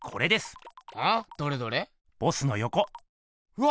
うわ！